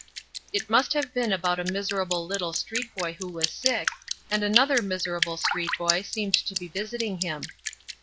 It must have been about a miserable little street boy who was sick, and another miserable street boy seemed to be visiting him.